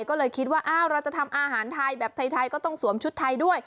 ก็เลยคิดว่าอ้าวเราจะทำอาหารไทยแบบไทยก็ต้องสวมชุดไทยด้วย